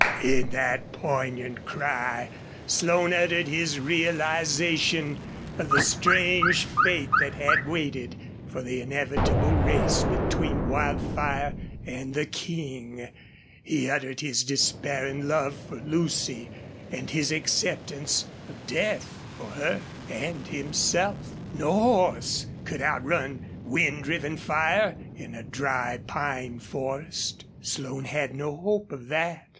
In that poignant cry Slone uttered his realization of the strange fate that had waited for the inevitable race between Wildfire and the King; he uttered his despairing love for Lucy, and his acceptance of death for her and himself. No horse could outrun wind driven fire in a dry pine forest. Slone had no hope of that.